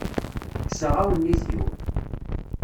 Kkseɣ awennit-iw.